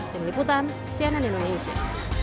dengan liputan cnn indonesia